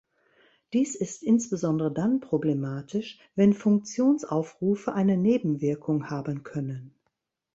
Dies ist insbesondere dann problematisch, wenn Funktionsaufrufe eine Nebenwirkung haben können.